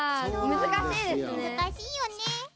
むずかしいよね。